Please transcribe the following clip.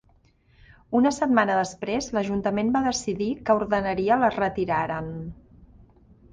Una setmana després l'Ajuntament va decidir que ordenaria les retiraren.